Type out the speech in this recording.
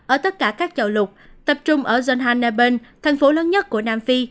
ở tất cả các châu lục tập trung ở zonhanabon thành phố lớn nhất của nam phi